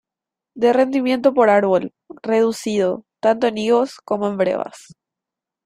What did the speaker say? De rendimiento por árbol reducido tanto en higos como en brevas.